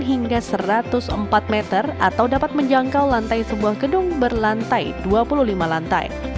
hingga satu ratus empat meter atau dapat menjangkau lantai sebuah gedung berlantai dua puluh lima lantai